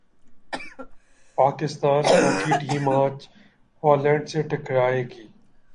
Pakistan hockey team اج Holland سے ٹکرا ئے گی